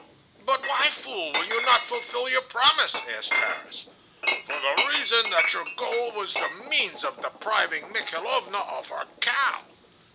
"But why, fool, will you not fulfill your promise?" asked Tarras. "For the reason that your gold was the means of depriving Mikhailovna of her cow."